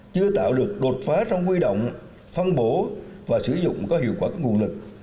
chưa tạo được đột phá trong huy động phân bổ và sử dụng có hiệu quả của nguồn lực